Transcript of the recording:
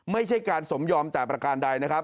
ไม่ใช่การสมยอมแต่ประการใดนะครับ